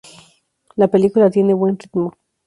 La película tiene buen ritmo.